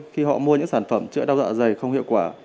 khi họ mua những sản phẩm chữa đau dạ dày không hiệu quả